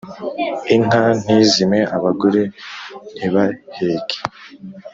inka ntizime abagore ntibaheke,